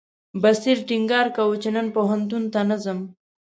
بصیر ټینګار کاوه چې نن پوهنتون ته نه ځم.